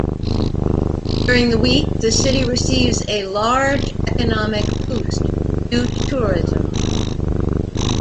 During the week the city receives a large economic boost due to tourism.